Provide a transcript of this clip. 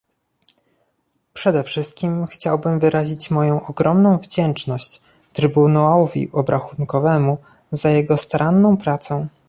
Przede wszystkim chciałbym wyrazić moją ogromną wdzięczność Trybunałowi Obrachunkowemu za jego staranną pracę